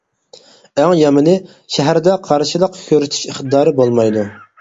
ئەڭ يامىنى، شەھەردە قارشىلىق كۆرسىتىش ئىقتىدارى بولمايدۇ.